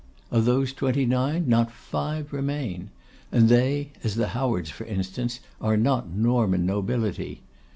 Of those twenty nine not five remain, and they, as the Howards for instance, are not Norman nobility.